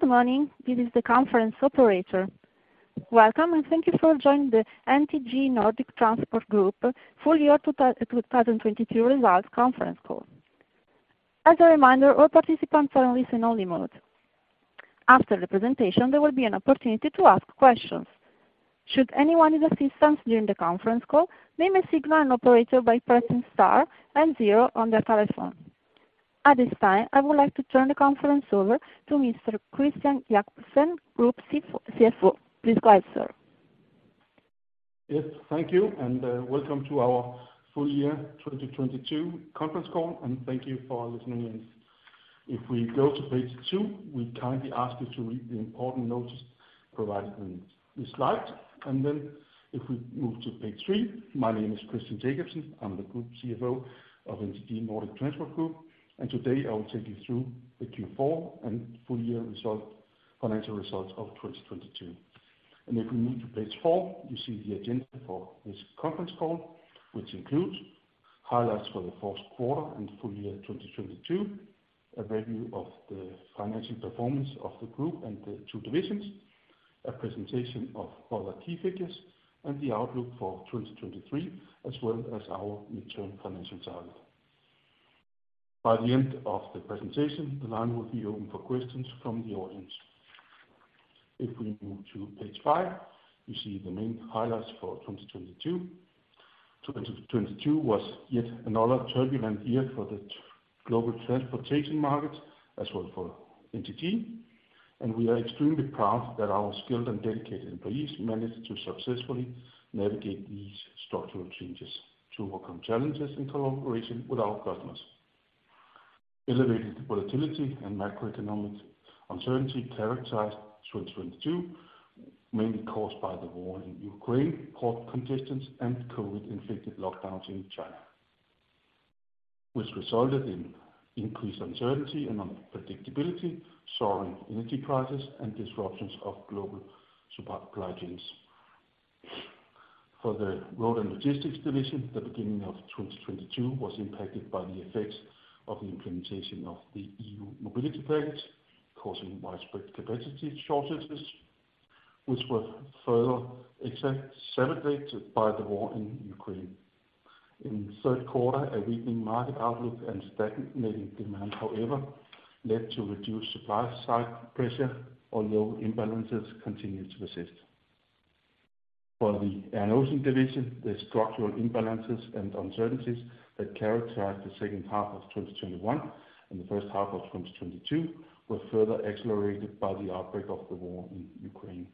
Good morning. This is the conference operator. Welcome, thank you for joining the NTG Nordic Transport Group, full year 2022 results conference call. As a reminder, all participants are in listen-only mode. After the presentation, there will be an opportunity to ask questions. Should anyone need assistance during the conference call, they may signal an operator by pressing star and zero on their telephone. At this time, I would like to turn the conference over to Mr. Christian Jakobsen, Group CFO. Please go ahead, sir. Yes, thank you. Welcome to our full year 2022 conference call. Thank you for listening in. If we go to page two, we kindly ask you to read the important notice provided on this slide. If we move to page three, my name is Christian Jakobsen. I'm the Group CFO of NTG Nordic Transport Group. Today, I will take you through the Q4 and full year result, financial results of 2022. If we move to page four, you see the agenda for this conference call, which includes highlights for the first quarter and full year 2022, a review of the financial performance of the group and the two divisions, a presentation of other key figures, and the outlook for 2023, as well as our midterm financial target. By the end of the presentation, the line will be open for questions from the audience. If we move to page five, you see the main highlights for 2022. 2022 was yet another turbulent year for the global transportation market as well for NTG, and we are extremely proud that our skilled and dedicated employees managed to successfully navigate these structural changes to overcome challenges in collaboration with our customers. Elevated volatility and macroeconomic uncertainty characterized 2022, mainly caused by the war in Ukraine, port congestions, and COVID-inflicted lockdowns in China, which resulted in increased uncertainty and unpredictability, soaring energy prices, and disruptions of global supply chains. For the Road & Logistics division, the beginning of 2022 was impacted by the effects of the implementation of the EU Mobility Package, causing widespread capacity shortages, which were further exacerbated by the war in Ukraine. In the 3rd quarter, a weakening market outlook and stagnating demand, however, led to reduced supply side pressure, although imbalances continued to persist. For the Air & Ocean division, the structural imbalances and uncertainties that characterized the second half of 2021 and the first half of 2022 were further accelerated by the outbreak of the war in Ukraine.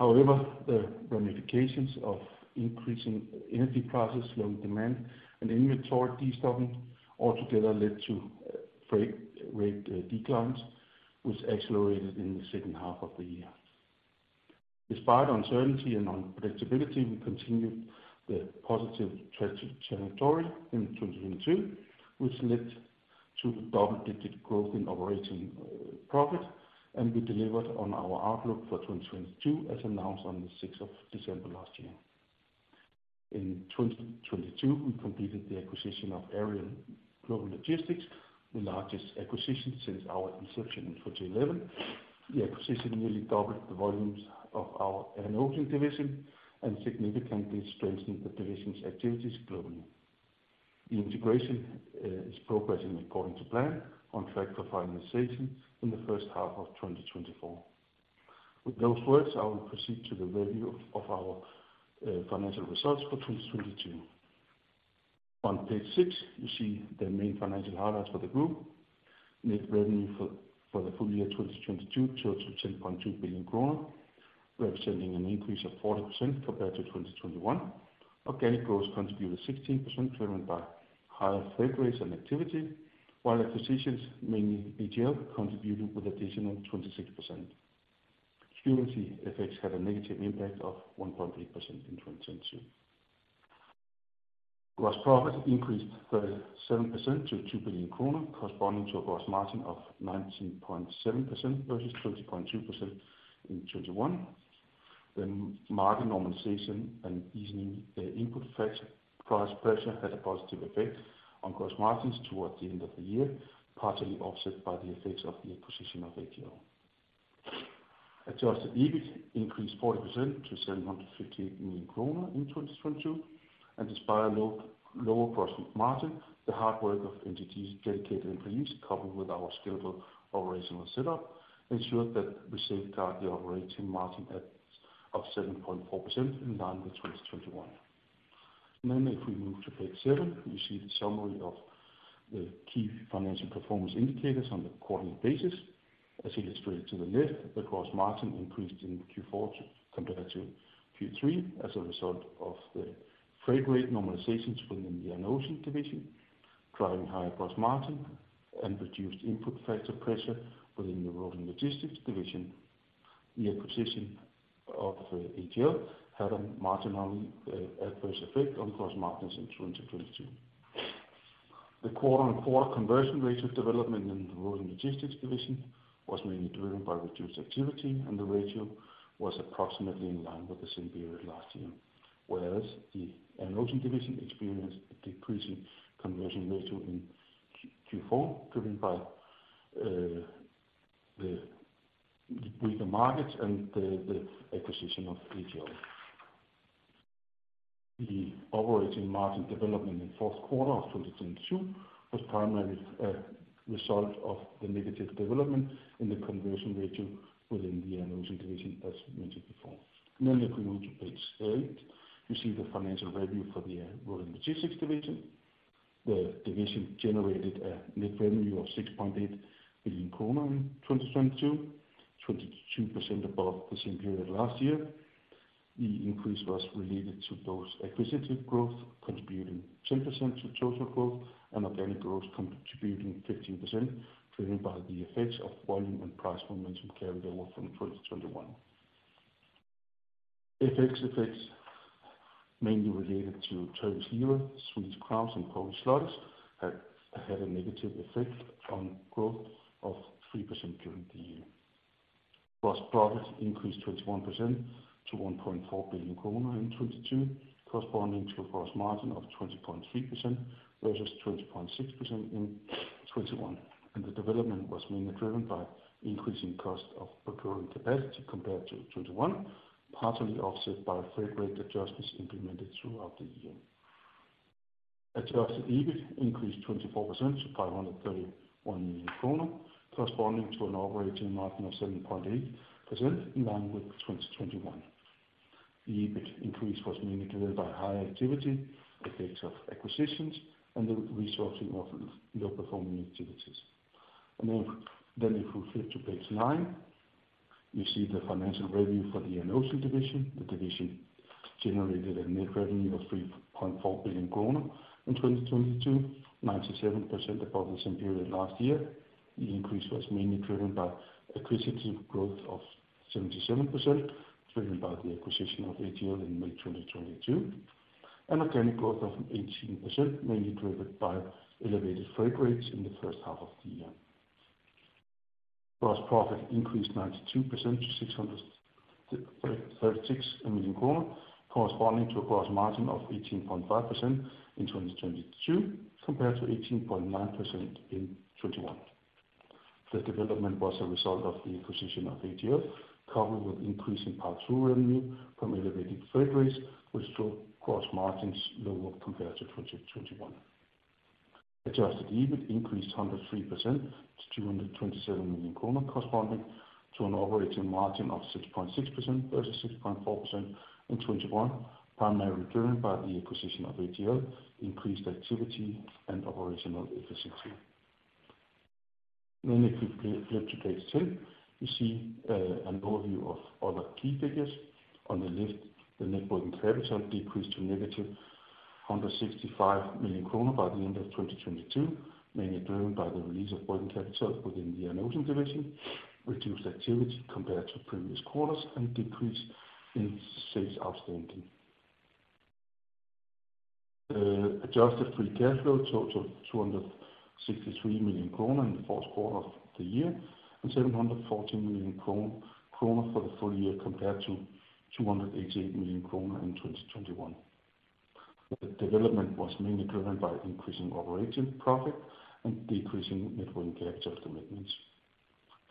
The ramifications of increasing energy prices, slowing demand, and inventory destocking altogether led to freight rate declines, which accelerated in the second half of the year. Despite uncertainty and unpredictability, we continued the positive trajectory in 2022, which led to double-digit growth in operating profit, and we delivered on our outlook for 2022 as announced on the 6th of December last year. In 2022, we completed the acquisition of Aries Global Logistics, the largest acquisition since our inception in 2011. The acquisition nearly doubled the volumes of our Air & Ocean division and significantly strengthened the division's activities globally. The integration is progressing according to plan, on track for finalization in the first half of 2024. With those words, I will proceed to the review of our financial results for 2022. On page six, you see the main financial highlights for the group. Net revenue for the full year 2022 showed some 10.2 billion kroner, representing an increase of 40% compared to 2021. Organic growth contributed 16%, driven by higher freight rates and activity, while acquisitions, mainly AGL, contributed with additional 26%. Currency effects had a negative impact of 1.8% in 2022. Gross profit increased 37% to 2 billion kroner, corresponding to a gross margin of 19.7% versus 20.2% in 2021. The market normalization and easing input factor price pressure had a positive effect on gross margins towards the end of the year, partially offset by the effects of the acquisition of AGL. Adjusted EBIT increased 40% to 758 million kroner in 2022. Despite a lower gross margin, the hard work of NTG's dedicated employees, coupled with our scalable operational setup, ensured that we safeguard the operating margin of 7.4% in line with 2021. If we move to page seven, we see the summary of the key financial performance indicators on a quarterly basis. As illustrated to the left, the gross margin increased in Q4 compared to Q3 as a result of the freight rate normalizations within the Air & Ocean division, driving higher gross margin and reduced input factor pressure within the Road & Logistics division. The acquisition of the AGL had a marginally adverse effect on gross margins in 2022. The quarter-on-quarter conversion ratio development in the Road & Logistics division was mainly driven by reduced activity, and the ratio was approximately in line with the same period last year. Whereas the Air & Ocean division experienced a decrease in conversion ratio in the second-Q4 driven by the weaker markets and the acquisition of AGL. The operating margin development in fourth quarter of 2022 was primarily a result of the negative development in the conversion ratio within the Air & Ocean division, as mentioned before. If we move to page eight, you see the financial review for the Road & Logistics division. The division generated a net revenue of 6.8 billion kroner in 2022, 22% above the same period last year. The increase was related to those acquisitive growth contributing 10% to total growth and organic growth contributing 15% driven by the effects of volume and price momentum carried over from 2021. FX effects mainly related to Turkish lira, Swedish crowns, and Polish zlotys had a negative effect on growth of 3% during the year. Gross profit increased 21% to 1.4 billion kroner in 2022, corresponding to a gross margin of 20.3% versus 20.6% in 2021. The development was mainly driven by increasing cost of procuring capacity compared to 2021, partially offset by freight rate adjustments implemented throughout the year. Adjusted EBIT increased 24% to 531 million kroner corresponding to an operating margin of 7.8% in line with 2021. The EBIT increase was mainly driven by higher activity, effects of acquisitions, and the resourcing of low-performing activities. If we flip to page nine, you see the financial review for the Air & Ocean division. The division generated a net revenue of 3.4 billion kroner in 2022, 97% above the same period last year. The increase was mainly driven by acquisitive growth of 77% driven by the acquisition of AGL in May 2022, and organic growth of 18% mainly driven by elevated freight rates in the first half of the year. Gross profit increased 92% to 636 million corresponding to a gross margin of 18.5% in 2022 compared to 18.9% in 2021. The development was a result of the acquisition of AGL coupled with increasing pass-through revenue from elevated freight rates, which drove gross margins lower compared to 2021. adjusted EBIT increased 103% to 227 million kroner corresponding to an operating margin of 6.6% versus 6.4% in 2021, primarily driven by the acquisition of AGL, increased activity, and operational efficiency. If we flip to page 10, you see an overview of other key figures. On the left, the net working capital decreased to negative 165 million kroner by the end of 2022, mainly driven by the release of working capital within the Air & Ocean division, reduced activity compared to previous quarters, and decrease in sales outstanding. Adjusted free cash flow total 263 million kroner in the fourth quarter of the year and 714 million kroner for the full year compared to 288 million kroner in 2021. The development was mainly driven by increasing operating profit and decreasing net working capital commitments.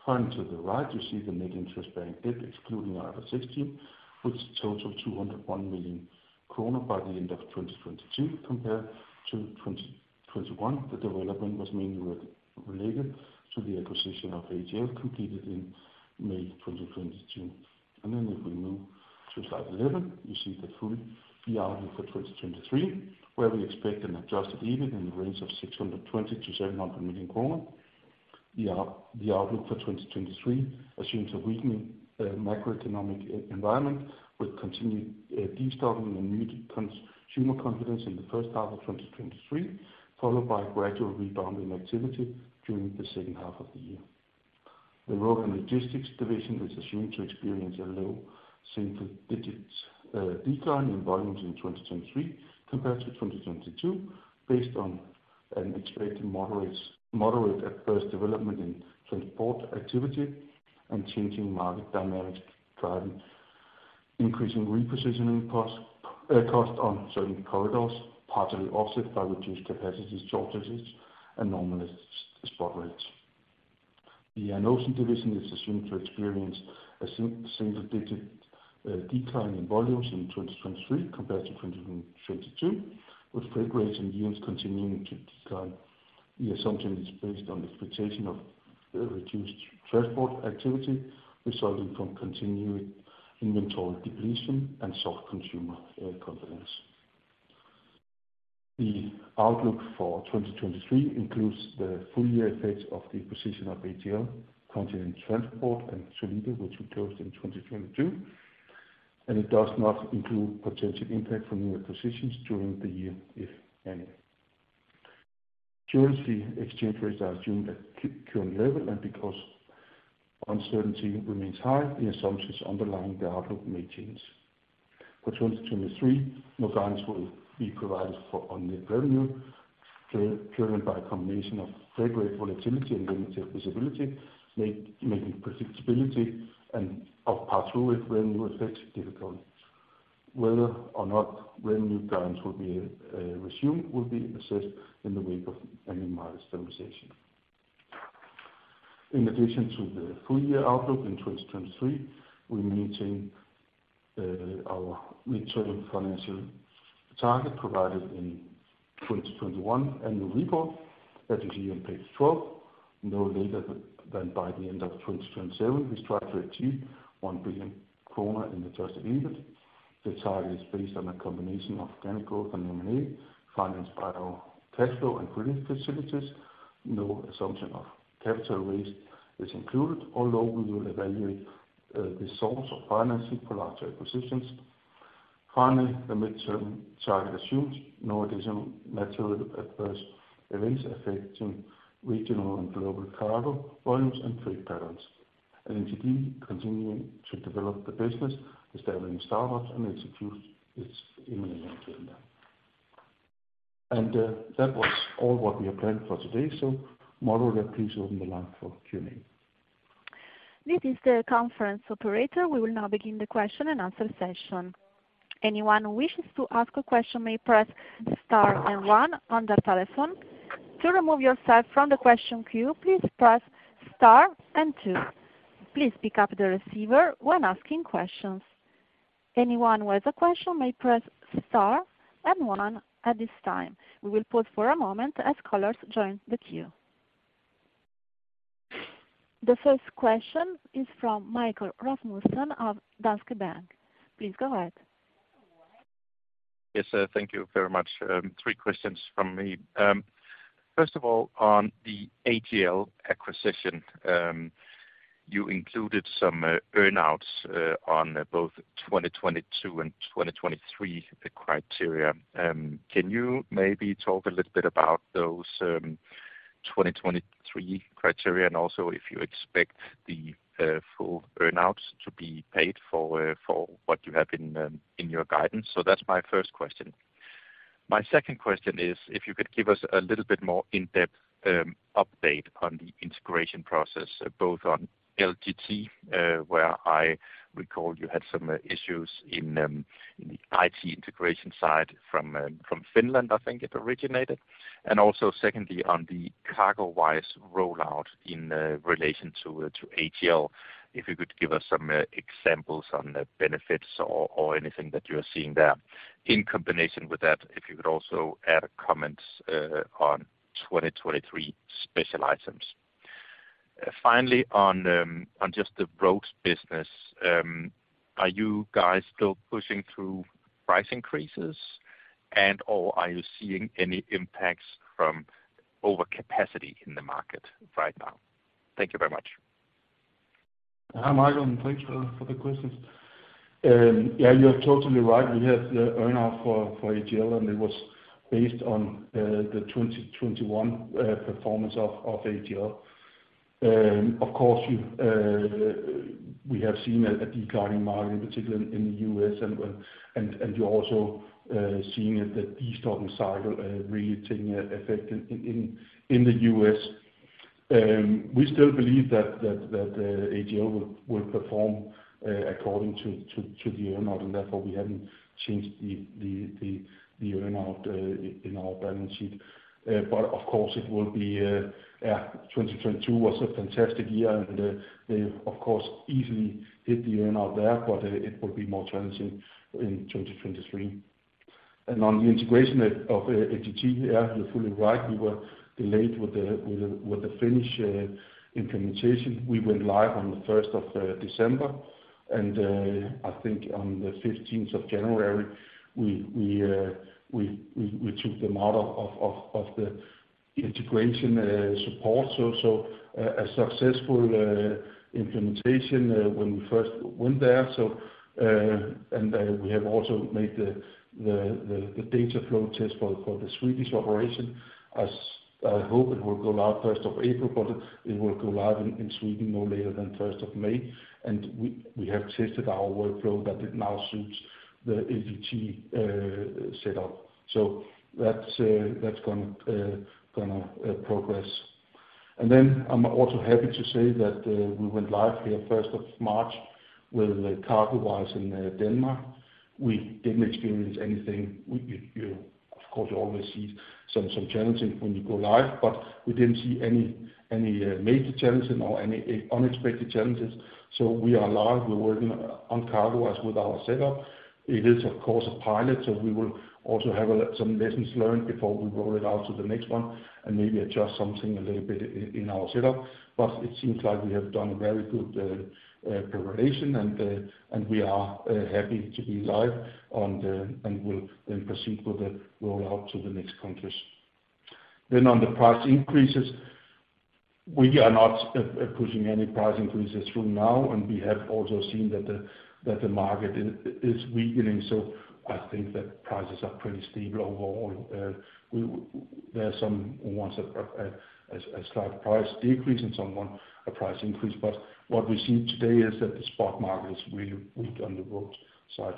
Turning to the right, you see the net interest-bearing debt excluding IFRS 16, which totaled 201 million kroner by the end of 2022 compared to 2021. The development was mainly related to the acquisition of AGL completed in May 2022. If we move to slide 11, you see the full year outlook for 2023, where we expect an adjusted EBIT in the range of 620 million-700 million kroner. The outlook for 2023 assumes a weakening macroeconomic environment with continued destocking and muted consumer confidence in the first half of 2023, followed by gradual rebound in activity during the second half of the year. The Road & Logistics division is assumed to experience a low single digits decline in volumes in 2023 compared to 2022 based on an expected moderate adverse development in transport activity and changing market dynamics driving increasing repositioning cost on certain corridors, partially offset by reduced capacity shortages and normalized spot rates. The Air & Ocean division is assumed to experience a single digit decline in volumes in 2023 compared to 2022, with freight rates and volumes continuing to decline. The assumption is based on expectation of reduced transport activity resulting from continued inventory depletion and soft consumer confidence. The outlook for 2023 includes the full year effects of the acquisition of AGL, Kontinent Transport, and Solida Logistik, which we closed in 2022, and it does not include potential impact from new acquisitions during the year, if any. Currency exchange rates are assumed at current level, and because uncertainty remains high, the assumptions underlying the outlook may change. For 2023, no guidance will be provided on net revenue purely by a combination of freight rate volatility and limited visibility, making predictability and of pass-through with revenue effects difficult. Whether or not revenue guidance will be resumed will be assessed in the wake of any market stabilization. In addition to the full year outlook in 2023, we maintain our mid-term financial target provided in 2021 annual report that you see on page 12. No later than by the end of 2027, we strive to achieve 1 billion kroner in adjusted EBIT. The target is based on a combination of organic growth and M&A financed by our cash flow and credit facilities. No assumption of capital raised is included, although we will evaluate the source of financing for larger acquisitions. Finally, the mid-term target assumes no additional material adverse events affecting regional and global cargo volumes and trade patterns, and Maersk continuing to develop the business, establishing starward, and execute its M&A agenda. That was all what we have planned for today. Moderator, please open the line for Q&A. This is the conference operator. We will now begin the question-and-answer session. Anyone who wishes to ask a question may press star 1 on their telephone. To remove yourself from the question queue, please press star 2. Please pick up the receiver when asking questions. Anyone who has a question may press star 1 at this time. We will pause for a moment as callers join the queue. The first question is from Michael Rasmussen of Danske Bank. Please go ahead. Yes. Thank you very much. 3 questions from me. First of all, on the AGL acquisition, you included some earn-outs on both 2022 and 2023 criteria. Can you maybe talk a little bit about those 2023 criteria? If you expect the full earn-outs to be paid for what you have in your guidance? That's my first question. My second question is if you could give us a little bit more in-depth update on the integration process, both on AGL, where I recall you had some issues in the IT integration side from Finland, I think it originated. Also secondly, on the CargoWise rollout in relation to AGL, if you could give us some examples on the benefits or anything that you are seeing there. In combination with that, if you could also add comments on 2023 special items. Finally, on just the roads business, are you guys still pushing through price increases and/or are you seeing any impacts from overcapacity in the market right now? Thank you very much. Hi, Michael. Thanks for the questions. You're totally right. We have the earn-out for AGL. It was based on the 2021 performance of AGL. Of course, we have seen a declining market, in particular in the U.S. You're also seeing it, the destocking cycle really taking effect in the U.S. We still believe that AGL will perform according to the earn-out. Therefore, we haven't changed the earn-out in our balance sheet. Of course, it will be 2022 was a fantastic year. They of course easily hit the earn-out there. It will be more challenging in 2023. On the integration of AGL, yeah, you're fully right. We were delayed with the finish implementation. We went live on the first of December, and I think on the 15th of January, we took them out of the integration support. A successful implementation when we first went there. We have also made the data flow test for the Swedish operation. I hope it will go live first of April, but it will go live in Sweden no later than first of May. We have tested our workflow that it now suits the AGL setup. That's gonna progress. I'm also happy to say that we went live here first of March with CargoWise in Denmark. We didn't experience anything. We, you of course always see some challenges when you go live, but we didn't see any major challenges or any unexpected challenges. We are live. We're working on CargoWise with our setup. It is of course a pilot, so we will also have some lessons learned before we roll it out to the next one and maybe adjust something a little bit in our setup. It seems like we have done a very good preparation, and we are happy to be live on the, and we'll then proceed with the rollout to the next countries. On the price increases, we are not pushing any price increases through now, and we have also seen that the market is weakening. I think that prices are pretty stable overall. There are some ones that are at a slight price decrease and some one a price increase. What we see today is that the spot market is really weak on the roads side.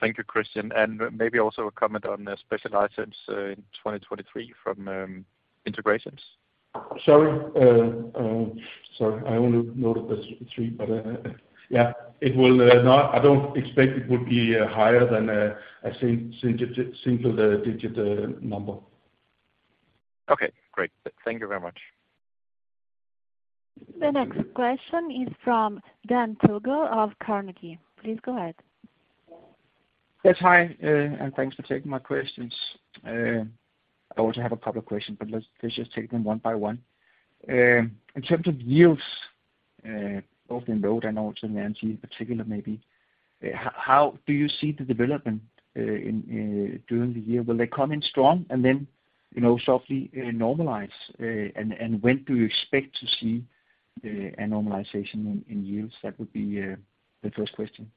Thank you, Christian. Maybe also a comment on the special license, in 2023 from, integrations. Sorry. I only noted the three, but, yeah, I don't expect it would be higher than a single-digit number. Okay, great. Thank you very much. The next question is from Dan Togo of Carnegie. Please go ahead. Yes. Hi, thanks for taking my questions. I also have a couple of questions, but let's just take them one by one. In terms of yields, both in road and also in air in particular maybe, how do you see the development during the year? Will they come in strong and then, you know, softly normalize? When do you expect to see a normalization in yields? That would be the first question.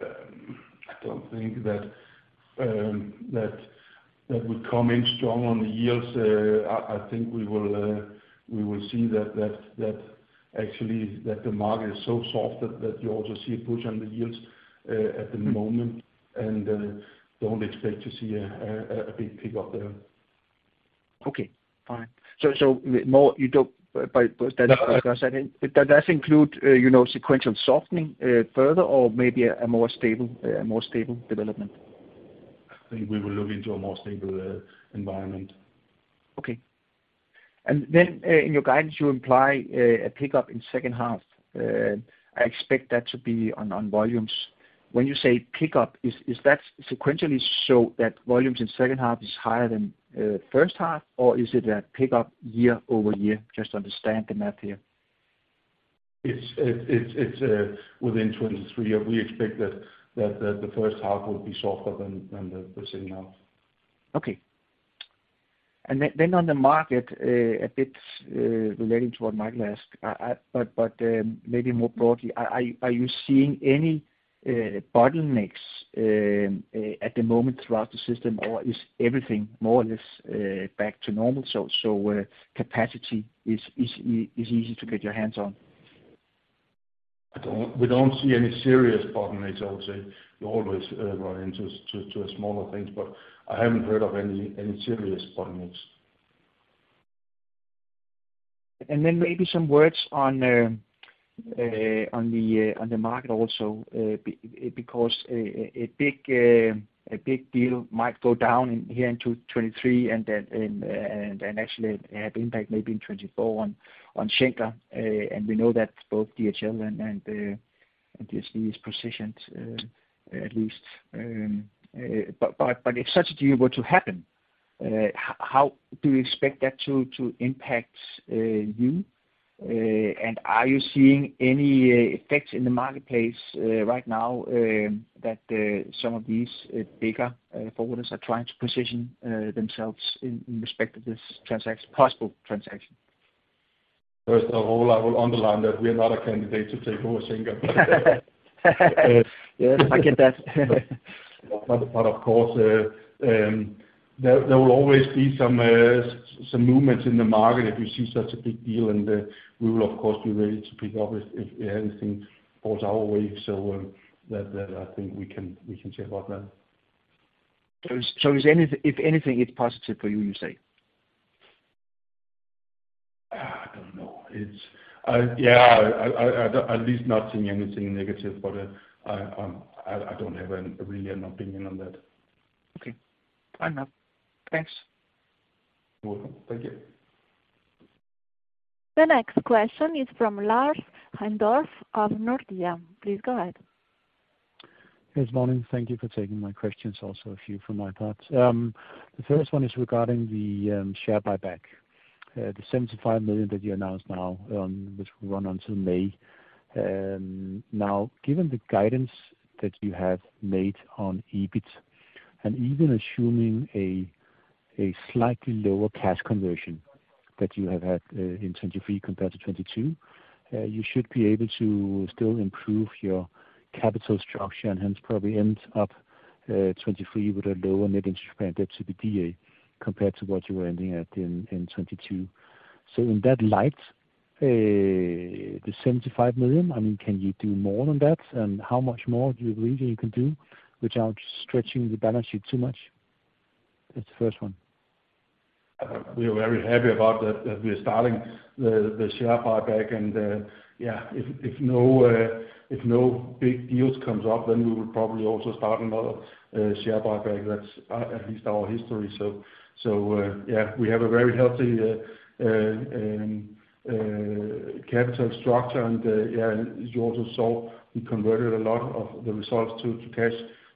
I don't think that would come in strong on the yields. I think we will see that actually the market is so soft that you also see a push on the yields at the moment and don't expect to see a big pick up there. Okay. All right. More... You don't... By... No. Does that include, you know, sequential softening, further or maybe a more stable development? I think we will look into a more stable environment. Okay. In your guidance, you imply a pickup in second half. I expect that to be on volumes. When you say pickup, is that sequentially so that volumes in second half is higher than first half, or is it a pickup year-over-year? Just understand the math here. It's within 2023, we expect that the first half will be softer than the second half. Okay. Then on the market, a bit relating to what Michael asked, maybe more broadly, are you seeing any bottlenecks at the moment throughout the system, or is everything more or less back to normal, so capacity is easy to get your hands on? We don't see any serious bottlenecks, I would say. We always run into to smaller things, but I haven't heard of any serious bottlenecks. Maybe some words on the market also because a big deal might go down in here in 2023 and actually have impact maybe in 2024 on Schenker. We know that both DHL and DSV is positioned at least. But if such a deal were to happen, how do you expect that to impact you? Are you seeing any effects in the marketplace right now that some of these bigger forwarders are trying to position themselves in respect of this possible transaction? First of all, I will underline that we are not a candidate to take over Schenker. Yes, I get that. Of course, there will always be some movements in the market if you see such a big deal, and we will of course be ready to pick up if anything falls our way. That I think we can say about that. If anything, it's positive for you say? I don't know. It's yeah, I at least not seeing anything negative, but I don't have a real opinion on that. Okay. Fair enough. Thanks. You're welcome. Thank you. The next question is from Lars Heindorff of Nordea. Please go ahead. Yes, morning. Thank you for taking my questions also, a few from my part. The first one is regarding the share buyback. The 75 million that you announced now, which will run until May. Now, given the guidance that you have made on EBIT, and even assuming a slightly lower cash conversion that you have had in 2023 compared to 2022, you should be able to still improve your capital structure and hence probably end up 2023 with a lower net interest-bearing debt to EBITDA compared to what you were ending at in 2022. In that light, the 75 million, I mean, can you do more than that? How much more do you believe you can do without stretching the balance sheet too much? That's the first one. We are very happy about that we are starting the share buyback. Yeah, if no, if no big deals comes up, then we will probably also start another share buyback. That's at least our history. Yeah, we have a very healthy capital structure. Yeah, as you also saw, we converted a lot of the results to cash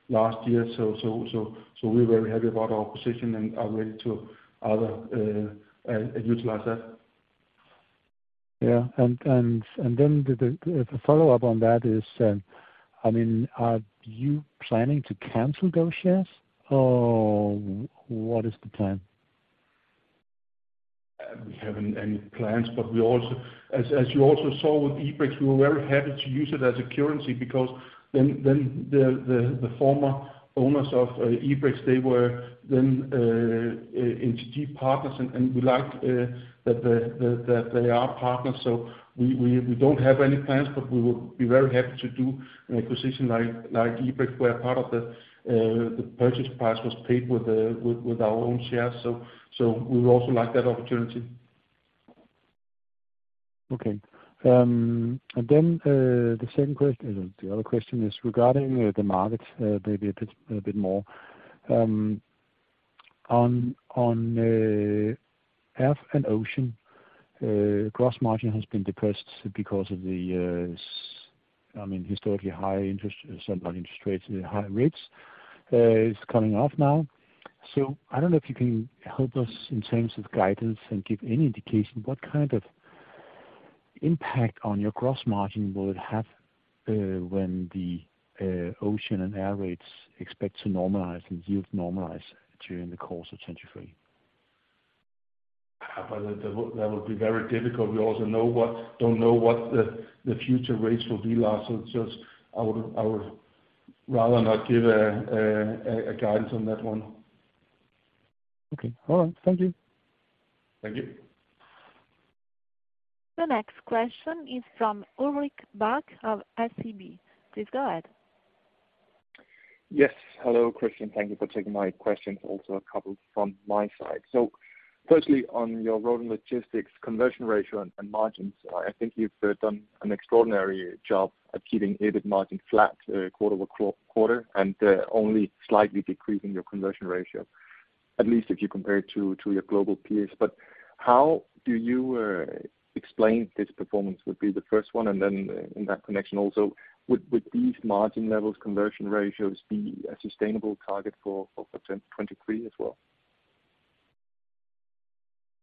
last year. We're very happy about our position and are ready to other utilize that. Yeah. Then the follow-up on that is, I mean, are you planning to cancel those shares or what is the plan? We haven't any plans, but we also, as you also saw with Ebrex, we were very happy to use it as a currency because then the former owners of Ebrex, they were then into key partners and we liked that they are partners. We don't have any plans, but we would be very happy to do an acquisition like Ebrex, where part of the purchase price was paid with our own shares. We would also like that opportunity. Okay. The other question is regarding the markets, maybe a bit more. On Air & Ocean, gross margin has been depressed because of the I mean, historically high interest, so not interest rates, high rates, is coming off now. I don't know if you can help us in terms of guidance and give any indication what kind of impact on your gross margin will it have when the ocean and air rates expect to normalize and yield normalize during the course of 2023? That would be very difficult. We also don't know what the future rates will be, Lars, so it's just, I would rather not give a guidance on that one. Okay. All right. Thank you. Thank you. The next question is from Ulrik Bak of SEB. Please go ahead. Yes. Hello, Christian. Thank you for taking my questions, also a couple from my side. Firstly, on your road logistics conversion ratio and margins, I think you've done an extraordinary job at keeping EBIT margin flat quarter-over-quarter, and only slightly decreasing your conversion ratio, at least if you compare it to your global peers. How do you explain this performance would be the first one? Then in that connection also, would these margin levels, conversion ratios be a sustainable target for 2023 as well?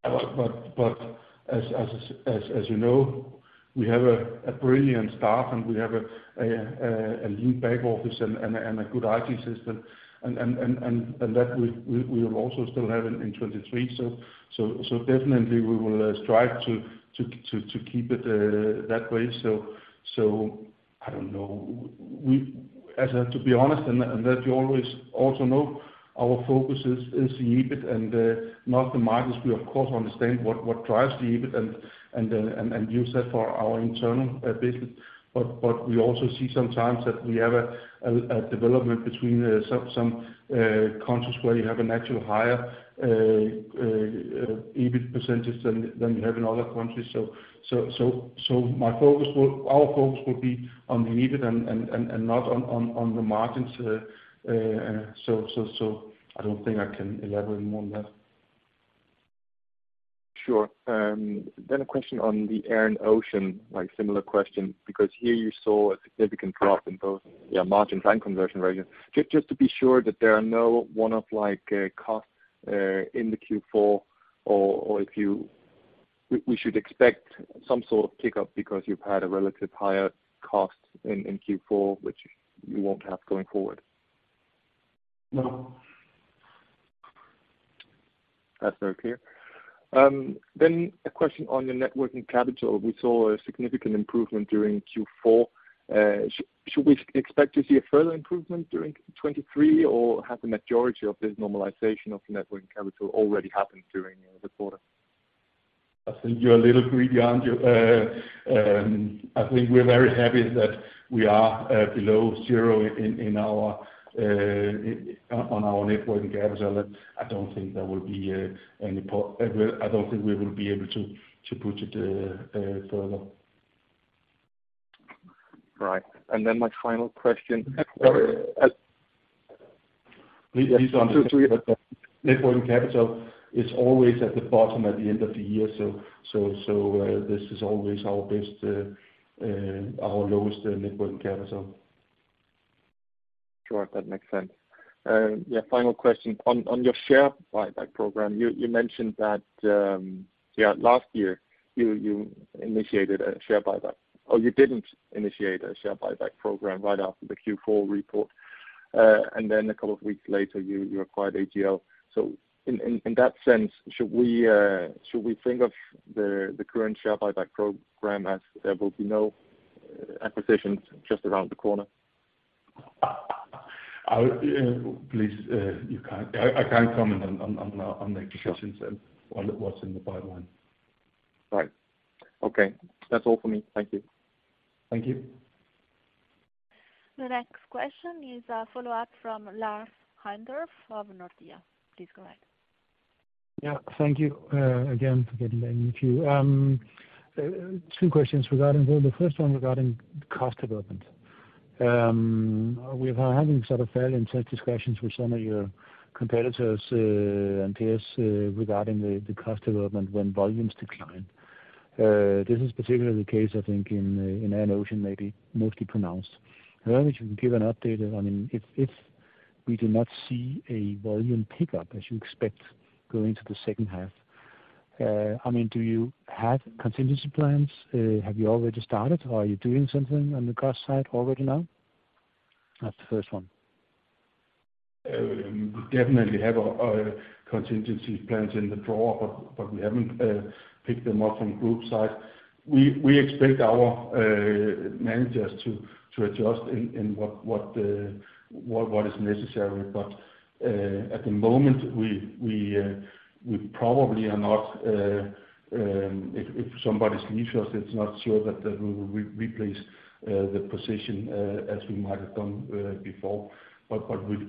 As you know, we have a brilliant staff, and we have a lean back office and a good IT system. That we'll also still have in 2023. Definitely we will strive to keep it that way. I don't know. As to be honest, and that you always also know, our focus is the EBIT and not the margins. We of course understand what drives the EBIT and use that for our internal business. We also see some times that we have a development between some countries where you have a natural higher EBIT % than you have in other countries. Our focus will be on the EBIT and not on the margins. I don't think I can elaborate more on that. Sure. A question on the Air & Ocean, like similar question, because here you saw a significant drop in both, yeah, margins and conversion ratio. Just to be sure that there are no one-off, like, costs in the Q4, or We should expect some sort of pickup because you've had a relative higher cost in Q4, which you won't have going forward? No. That's very clear. A question on your net working capital. We saw a significant improvement during Q4. Shall we expect to see a further improvement during 2023, or has the majority of this normalization of net working capital already happened during the quarter? I think you're a little greedy, aren't you? I think we're very happy that we are below zero on our net working capital. I don't think there will be any. Well, I don't think we will be able to push it further. Right. My final question. Sorry. Yes. two, yeah. Net working capital is always at the bottom at the end of the year. This is always our best, our lowest, net working capital. Sure. That makes sense. Final question. On, on your share buyback program, you mentioned that, yeah, last year, you initiated a share buyback, or you didn't initiate a share buyback program right after the Q4 report. A couple of weeks later, you acquired AGL. In, in that sense, should we, should we think of the current share buyback program as there will be no acquisitions just around the corner? Please, you can... I can't comment on the acquisitions and-. Sure. on what's in the pipeline. Right. Okay. That's all for me. Thank you. Thank you. The next question is a follow-up from Lars Heindorff of Nordea. Please go ahead. Thank you again for getting me in the queue. Two questions regarding, well, the first one regarding cost development. We're having sort of fairly intense discussions with some of your competitors and peers regarding the cost development when volumes decline. This is particularly the case, I think, in air and ocean, maybe mostly pronounced. I wonder if you can give an update. If we do not see a volume pickup as you expect going to the second half, do you have contingency plans? Have you already started, or are you doing something on the cost side already now? That's the first one. We definitely have contingency plans in the drawer, but we haven't picked them up from group side. We expect our managers to adjust in what is necessary. At the moment, we probably are not, if somebody leaves us, it's not sure that they will re-replace the position as we might have done before.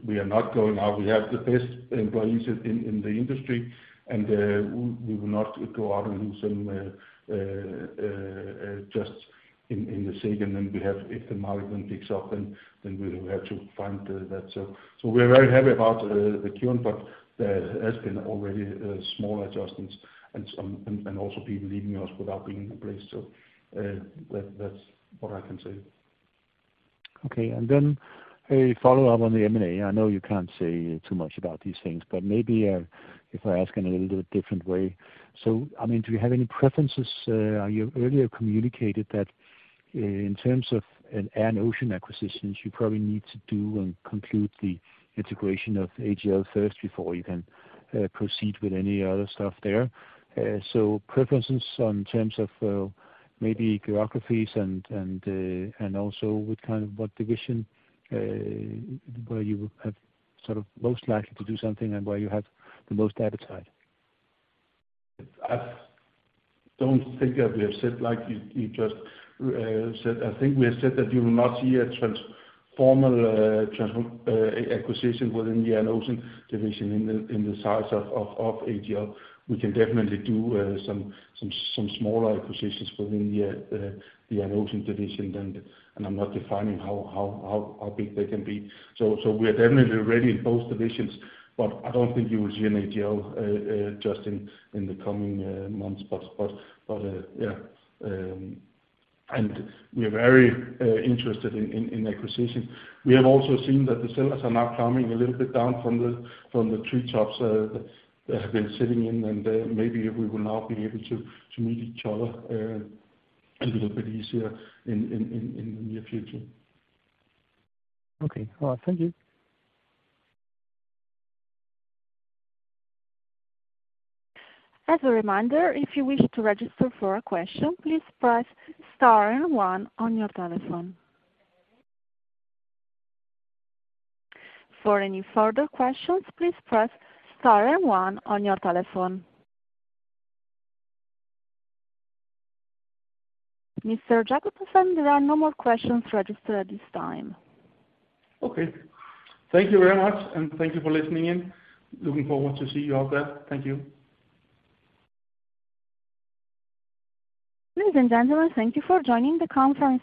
We are not going out. We have the best employees in the industry, and we will not go out and do some just in the sake. If the market then picks up, then we have to find that. We're very happy about the Q1, but there has been already small adjustments and some... Also people leaving us without being replaced. That's what I can say. Okay. A follow-up on the M&A. I know you can't say too much about these things, but maybe, if I ask in a little different way. I mean, do you have any preferences? You earlier communicated that in terms of an Air & Ocean acquisitions, you probably need to do and conclude the integration of AGL first before you can proceed with any other stuff there. Preferences on terms of, maybe geographies and also what kind of what division, where you have sort of most likely to do something and where you have the most appetite? I don't think that we have said like you just said. I think we have said that you will not see a trans-formal acquisition within the Air & Ocean division in the size of AGL. We can definitely do some smaller acquisitions within the Air & Ocean division. I'm not defining how big they can be. We are definitely ready in both divisions, but I don't think you will see an AGL just in the coming months. Yeah, we are very interested in acquisitions. We have also seen that the sellers are now climbing a little bit down from the treetops they have been sitting in. Maybe we will now be able to meet each other a little bit easier in the near future. Okay. All right. Thank you. As a reminder, if you wish to register for a question, please press star and one on your telephone. For any further questions, please press star and one on your telephone. Mr. Jakobsen, there are no more questions registered at this time. Okay. Thank you very much, and thank you for listening in. Looking forward to see you out there. Thank you. Ladies and gentlemen, thank you for joining the conference.